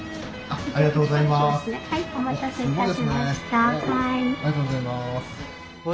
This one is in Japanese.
ありがとうございます。